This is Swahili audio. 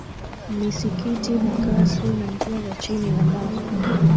misikiti makasri na njia za chini ya ardhi